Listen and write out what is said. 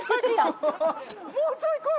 もうちょい来い！